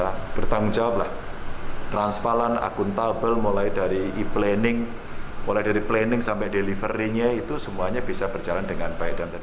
kita bertanggung jawab lah transparan akuntabel mulai dari e planning mulai dari planning sampai delivery nya itu semuanya bisa berjalan dengan baik